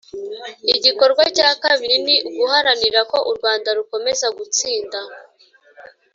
Igikorwa cya kabiri ni uguharanira ko u Rwanda rukomeza gutsinda